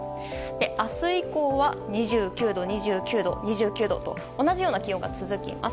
明日以降は２９度、２９度、２９度と同じような気温が続きます。